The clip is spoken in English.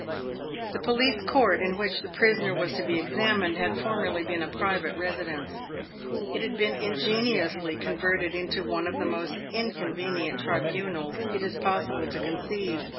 The police court in which the prisoner was to be examined had formerly been a private residence. It had been ingeniously converted into one of the most inconvenient tribunals it is possible to conceive.